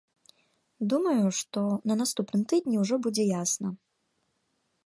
Думаю, што на наступным тыдні ўжо будзе ясна.